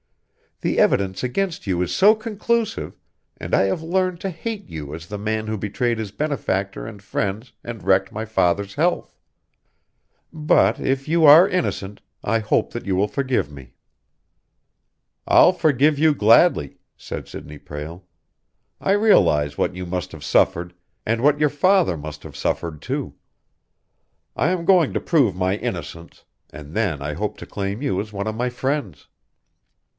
The evidence against you is so conclusive, and I have learned to hate you as the man who betrayed his benefactor and friends and wrecked my father's health. But, if you are innocent, I hope that you will forgive me." "I'll forgive you gladly," said Sidney Prale. "I realize what you must have suffered, and what your father must have suffered, too. I am going to prove my innocence; and then I hope to claim you as one of my friends."